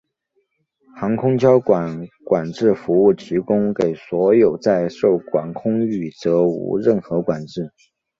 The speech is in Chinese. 航空交通管制服务提供给所有在受管空域则无任何管制。